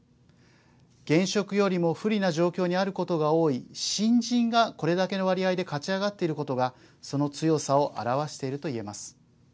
現職よりも不利な状況にあることが多い新人がこれだけの割合で勝ち上がっていることがその強さを表していると言えます。